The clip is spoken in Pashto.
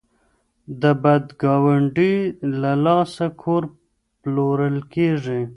د بد ګاونډي له لاسه کور پلورل کیږي.